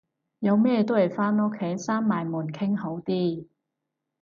有咩都係返屋企閂埋門傾好啲